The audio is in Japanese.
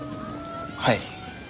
はい。